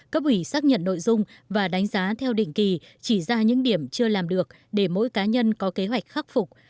cấp ủy xác nhận nội dung và đánh giá theo định kỳ chỉ ra những điểm chưa làm được để mỗi cá nhân có kế hoạch khắc phục